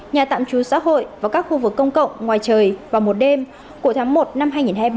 nhà tạm trú xã hội và các khu vực công cộng ngoài trời vào một đêm của tháng một năm hai nghìn hai mươi ba